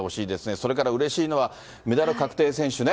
それからうれしいのは、メダル確定選手ね。